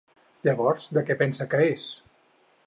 Llavors de què pensa que és?